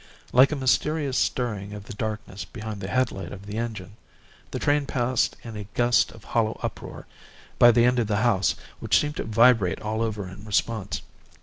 Like a mysterious stirring of the darkness behind the headlight of the engine, the train passed in a gust of hollow uproar, by the end of the house, which seemed to vibrate all over in response.